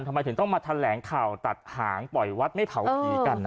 ทำไมถึงต้องมาแถลงข่าวตัดหางปล่อยวัดไม่เผาผีกัน